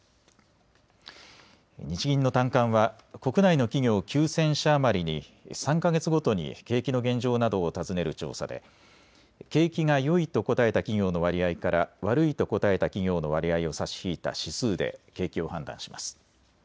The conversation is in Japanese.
日銀の短観は国内の企業９０００社余りに３か月ごとに景気の現状などを尋ねる調査で景気がよいと答えた企業の割合から悪いと答えた企業の割合を差し引いた指数で景気を判断します。